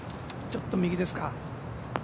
ちょっと右ですか？